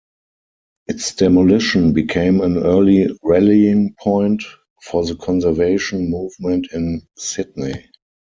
Its demolition became an early rallying point for the conservation movement in Sydney.